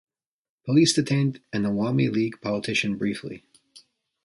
Police detained an Awami League politician briefly.